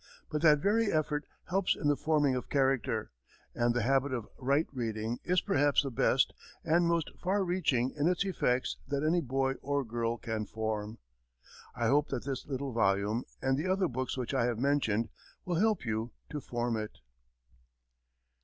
But that very effort helps in the forming of character, and the habit of right reading is perhaps the best and most far reaching in its effects that any boy or girl can form. I hope that this little volume, and the other books which I have mentioned, will help you to form it.